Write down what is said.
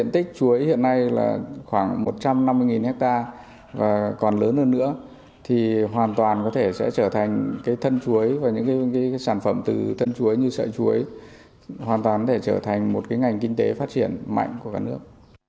tích chuối hiện nay là khoảng một trăm năm mươi hectare và còn lớn hơn nữa thì hoàn toàn có thể sẽ trở thành cái thân chuối và những cái sản phẩm từ thân chuối như sợi chuối hoàn toàn để trở thành một cái ngành kinh tế phát triển mạnh của cả nước